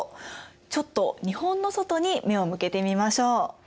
ちょっと日本の外に目を向けてみましょう。